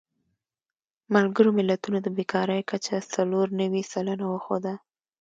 ملګرو ملتونو د بېکارۍ کچه څلور نوي سلنه وښوده.